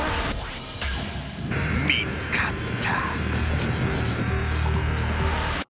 ［見つかった］